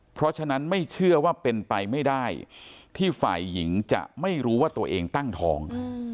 เพราะฉะนั้นไม่เชื่อว่าเป็นไปไม่ได้ที่ฝ่ายหญิงจะไม่รู้ว่าตัวเองตั้งท้อง